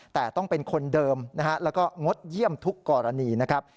แต่ต้องเป็นคนเดิมนะฮะแล้วก็งดเยี่ยมทุกกรณีนะครับ